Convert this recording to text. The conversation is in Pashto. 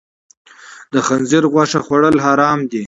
د خنزیر غوښه خوړل حرام دي.